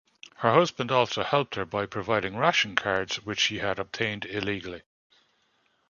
Her husband also helped her by providing ration cards which he had obtained illegally.